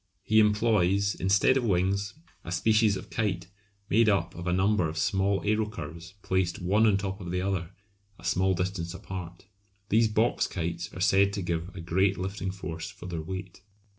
He employs, instead of wings, a species of kite made up of a number of small aerocurves placed one on the top of another a small distance apart. These box kites are said to give a great lifting force for their weight.